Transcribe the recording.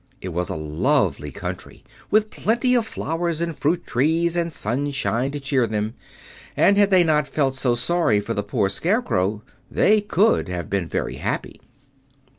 It was a lovely country, with plenty of flowers and fruit trees and sunshine to cheer them, and had they not felt so sorry for the poor Scarecrow, they could have been very happy.